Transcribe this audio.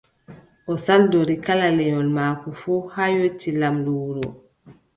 O saldori kala lenyol maako fuu, haa yotti laamɗo wuro.